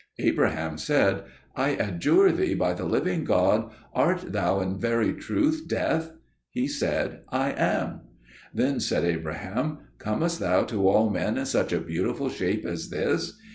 Abraham said, "I adjure thee by the living God: art thou in very truth Death?" He said, "I am." Then said Abraham, "Comest thou to all men in such a beautiful shape as this?"